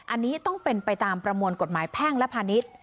อันนี้ต้องเป็นไปตามประมวลกฎหมายแพ่งและพาณิชย์